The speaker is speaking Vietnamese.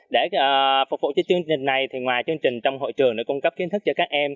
để phục vụ cho chương trình này thì ngoài chương trình trong hội trường để cung cấp kiến thức cho các em